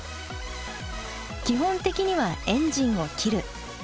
基本的にはエンジンを切る。